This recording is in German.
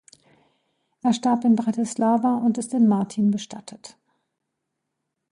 Er starb in Bratislava und ist in Martin bestattet.